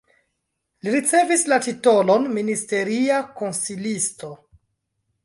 Li ricevis la titolon ministeria konsilisto.